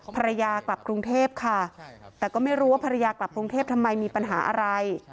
ภรรยากลับกรุงเทพค่ะแต่ก็ไม่รู้ว่าภรรยากลับกรุงเทพทำไมมีปัญหาอะไร